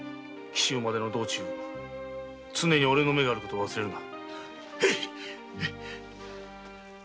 紀州までの道中常におれの目があることを忘れるな。